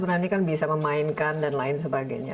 nah ini kan bisa memainkan dan lain sebagainya